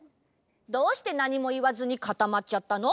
どうしてなにもいわずにかたまっちゃったの？